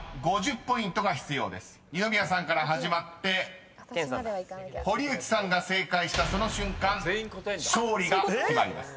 ［二宮さんから始まって堀内さんが正解したその瞬間勝利が決まります］